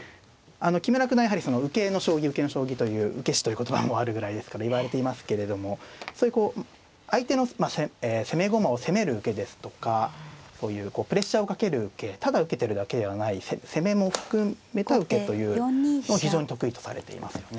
木村九段やはりその受けの将棋受けの将棋という受け師という言葉もあるぐらいですからいわれていますけれどもそういうこう相手の攻め駒を責める受けですとかこういうこうプレッシャーをかける受けただ受けてるだけではない攻めも含めた受けというのを非常に得意とされていますよね。